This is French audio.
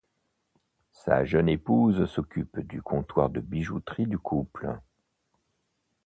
Sa jeune épouse s’occupe du comptoir de bijouterie du couple.